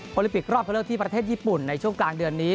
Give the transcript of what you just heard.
โปรลิปิกรอบเข้าเลิกที่ประเทศญี่ปุ่นในช่วงกลางเดือนนี้